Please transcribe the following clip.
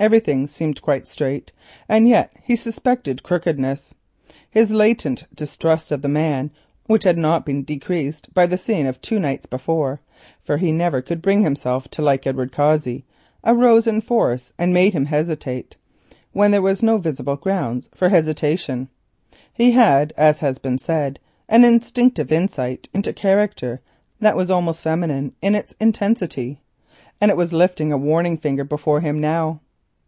Everything seemed quite straight, and yet he suspected crookedness. His latent distrust of the man, which had not been decreased by the scene of two nights before—for he never could bring himself to like Edward Cossey—arose in force and made him hesitate when there was no visible ground for hesitation. He possessed, as has been said, an instinctive insight into character that was almost feminine in its intensity, and it was lifting a warning finger before him now.